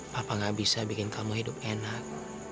papa gak bisa bikin kamu hidup enak